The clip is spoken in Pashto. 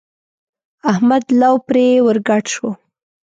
احمد لو پرې ور ګډ شو.